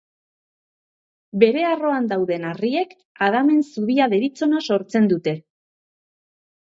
Bere arroan dauden harriek Adamen Zubia deritzona sortzen dute.